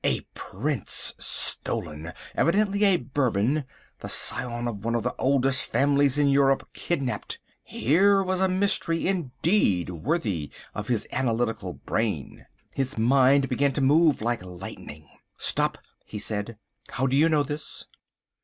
A prince stolen! Evidently a Bourbon! The scion of one of the oldest families in Europe kidnapped. Here was a mystery indeed worthy of his analytical brain. His mind began to move like lightning. "Stop!" he said, "how do you know this?"